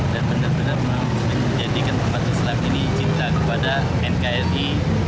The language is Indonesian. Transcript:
dan benar benar menjadikan umat islam ini cinta kepada nkri